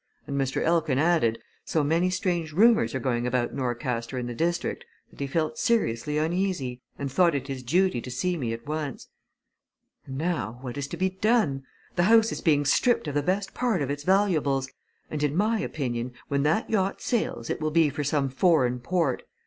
And, Mr. Elkin added, so many strange rumours are going about Norcaster and the district, that he felt seriously uneasy, and thought it his duty to see me at once. And now what is to be done? The house is being stripped of the best part of its valuables, and in my opinion when that yacht sails it will be for some foreign port.